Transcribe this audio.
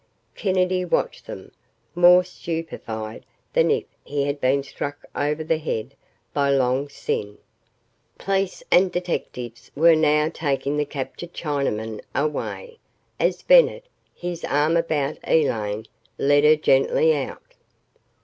Kennedy watched them, more stupefied than if he had been struck over the head by Long Sin. ........ Police and detectives were now taking the captured Chinamen away, as Bennett, his arm about Elaine, led her gently out.